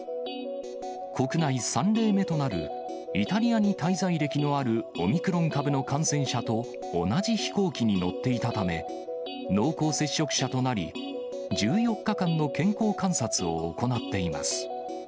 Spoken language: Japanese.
国内３例目となるイタリアに滞在歴のあるオミクロン株の感染者と同じ飛行機に乗っていたため、濃厚接触者となり、１４日間の健康観察を行っています。